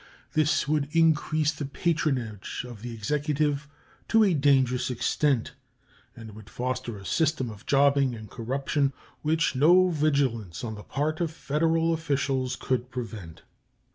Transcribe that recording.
This would increase the patronage of the Executive to a dangerous extent and would foster a system of jobbing and corruption which no vigilance on the part of Federal officials could prevent.